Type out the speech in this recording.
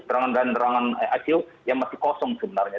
sealah ini saya akan tanya baik